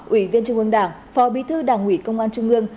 ủy viên trung ương đảng phó bí thư đảng ủy công an trung ương